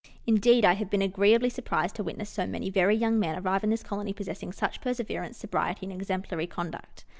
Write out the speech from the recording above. Indeed, I have been agreeably surprised to witness so many very young men arrive in this colony possessing such perseverance, sobriety, and exemplary conduct.